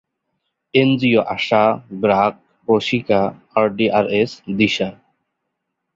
NGO ASA, BRAC, Proshika, RDRS, Disha.